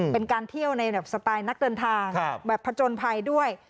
เป็นการเที่ยวในแบบสไตล์นักเดินทางแบบผจญภัยด้วย